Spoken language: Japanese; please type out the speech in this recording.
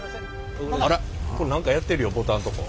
あれ何かやってるよボタンとこ。